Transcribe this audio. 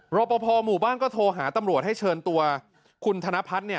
รอปภหมู่บ้านก็โทรหาตำรวจให้เชิญตัวคุณธนพัฒน์